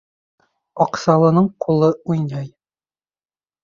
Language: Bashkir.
Аҡсалының ҡулы уйнай